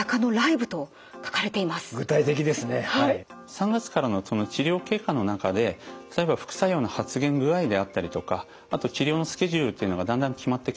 ３月からの治療経過の中で例えば副作用の発現具合であったりとかあと治療のスケジュールっていうのがだんだん決まってきます。